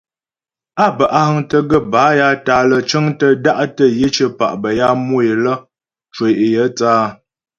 Á bə́ á həŋtə gaə́ bâ ya tǎ'a lə́ cəŋtə da'tə yə cyə̌pa' bə́ ya mu é lə cwə yə é thə́ áa.